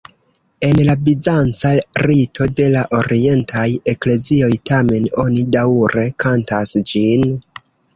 En la bizanca rito de la orientaj eklezioj tamen oni daŭre kantas ĝin.